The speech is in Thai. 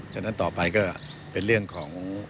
ฉะนั้นต่อไปก็เป็นเรื่องของ